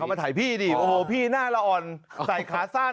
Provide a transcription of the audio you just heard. ไม่เขามาถ่ายพี่ดิพี่หน้าละอ่อนใส่ขาสั้น